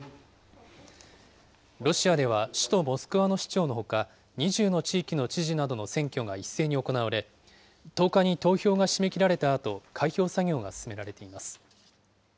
ロシアでは、首都モスクワの市長のほか、２０の地域の知事などの選挙が一斉に行われ、１０日に投票が締め切られたあと、開票作業が進められています。